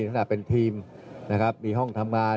ทรัพย์มันทำงานมีห้องทำงาน